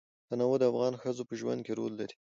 تنوع د افغان ښځو په ژوند کې رول لري.